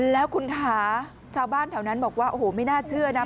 แล้วคุณคะชาวบ้านแถวนั้นบอกว่าโอ้โหไม่น่าเชื่อนะ